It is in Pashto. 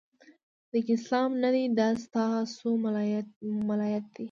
دا اسلام نه دی، د ستا سو ملایت دی